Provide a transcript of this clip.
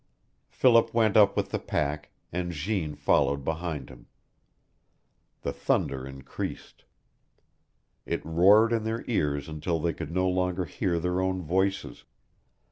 Philip went up with the pack, and Jeanne followed behind him. The thunder increased. It roared in their ears until they could no longer hear their own voices.